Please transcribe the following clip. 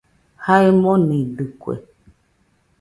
Jae monidɨkue